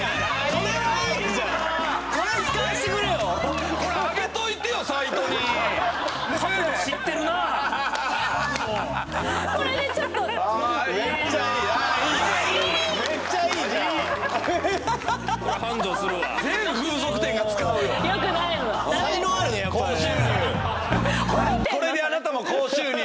それ「これであなたも高収入！」